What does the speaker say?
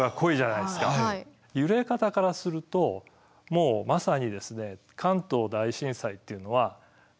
揺れ方からするともうまさにえ。